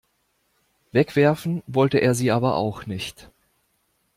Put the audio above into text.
Wegwerfen wollte er sie aber auch nicht.